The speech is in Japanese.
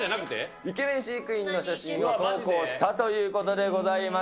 イケメン飼育員の写真を投稿したということでございます。